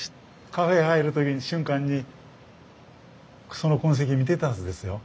カフェへ入る時に瞬間にその痕跡見てたはずですよ。